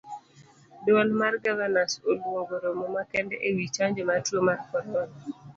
Duol mar gavanas oluongo romo makende ewii chanjo mar tuo mar corona.